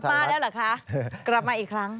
มาแล้วเหรอคะกลับมาอีกครั้ง